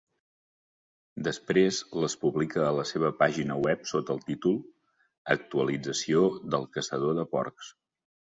Després les publica a la seva pàgina web sota el títol "Actualització del caçador de porcs".